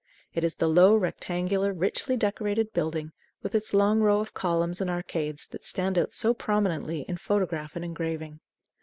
It is the low, rectangular, richly decorated building with its long row of columns and arcades that stand out so prominently in photograph and engraving.